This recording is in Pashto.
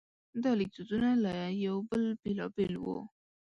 دا لیکدودونه له یو بل بېلابېل وو.